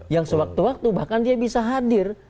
yang sewaktu waktu bahkan dia bisa hadir